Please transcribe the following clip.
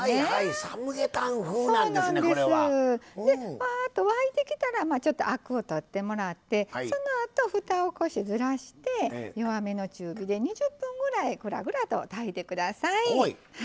でワーッと沸いてきたらちょっとアクを取ってもらってそのあとふたをこうしてずらして弱めの中火で２０分ぐらいぐらぐらと炊いて下さい。